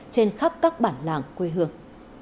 trên khắp các bản làng quê hương